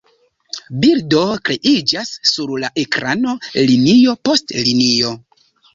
Bildo kreiĝas sur la ekrano linio post linio.